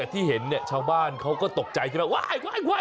ที่เห็นเนี่ยเช้าบ้านเขาก็ตกใจสิวะ